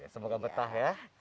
semoga betah ya